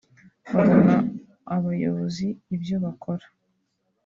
babona abayobozi ibyo bakora